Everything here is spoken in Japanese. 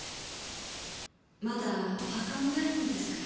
まだお墓もないものですから。